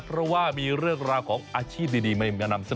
เพราะว่ามีเรื่องราวของอาชีพดีมานำเสนอ